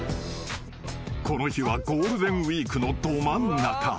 ［この日はゴールデンウイークのど真ん中］